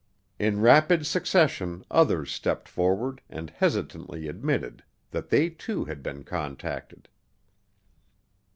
In rapid succession others stepped forward and hesitantly admitted that they too had been contacted.